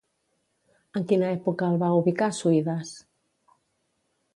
En quina època el va ubicar Suides?